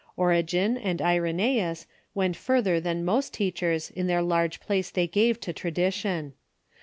Origen and Irenoeus went further than most teachers in the large place they gave to tradition.